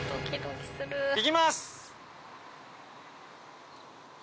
行きます！